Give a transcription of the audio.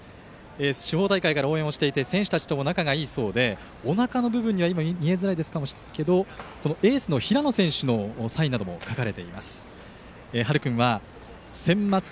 地方大会から応援していて選手たちとも仲がいいそうでおなかの部分には、エースの平野選手のサインなども書かれています。